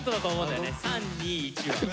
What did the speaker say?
「３２１」は。